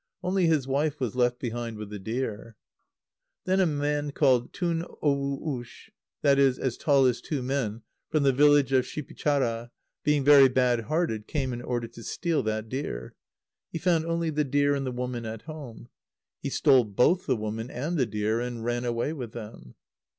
Only his wife was left behind with the deer. Then a man called Tun uwo ush [i.e. "as tall as two men"], from the village of Shipichara, being very bad hearted, came in order to steal that deer. He found only the deer and the woman at home. He stole both the woman and the deer, and ran away with them.